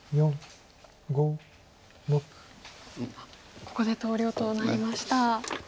ここで投了となりました。